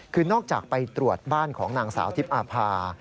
คือนอกจากไปตรวจบ้านของนางสาวทิพย์อาภา